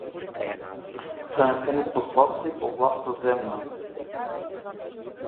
Занесени по сласта и по власта земна.